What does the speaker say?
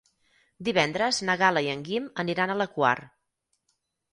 Divendres na Gal·la i en Guim aniran a la Quar.